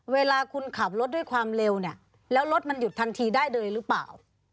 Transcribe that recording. เวลาคุณขับรถด้วยความเร็วเนี่ยแล้วรถมันหยุดทันทีได้เลยหรือเปล่า